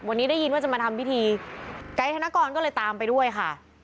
วันนี้ได้ยินว่าจะมาทำพิธีไกด์ธนกรก็เลยตามไปด้วยค่ะ